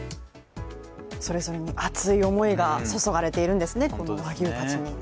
それぞれに熱い思いが注がれているんですね、この和牛たちに。